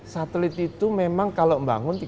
satelit itu memang kalau bangun